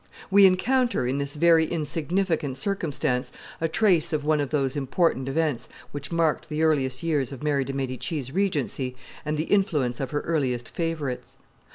We encounter in this very insignificant circumstance a trace of one of those important events which marked the earliest years of Mary de' Medici's regency and the influence of her earliest favorites.